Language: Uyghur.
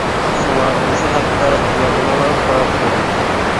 شۇڭا مۇشۇ ھەقتە ياردىمىڭلارغا قاراپ قالدىم.